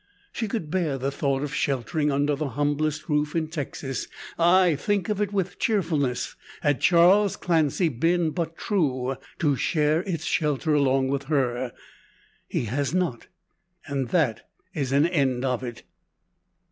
She could bear the thought of sheltering under the humblest roof in Texas ay, think of it with cheerfulness had Charles Clancy been but true, to share its shelter along with her. He has not, and that is an end of it.